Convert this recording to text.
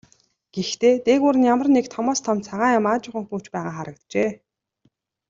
Гэхдээ дээгүүр нь ямар нэг томоос том цагаан юм аажуухан хөвж байгаа харагджээ.